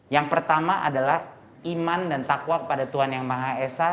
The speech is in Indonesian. yang pertama adalah iman dan takwa kepada tuhan yang maha esa